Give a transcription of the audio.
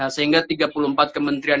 sehingga tiga puluh empat kementerian